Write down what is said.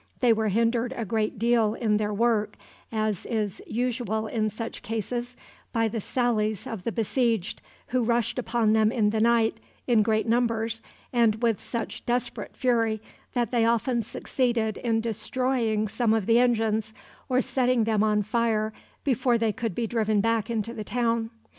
They were hindered a great deal in their work, as is usual in such cases, by the sallies of the besieged, who rushed upon them in the night in great numbers, and with such desperate fury that they often succeeded in destroying some of the engines, or setting them on fire before they could be driven back into the town.